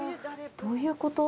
どういうこと？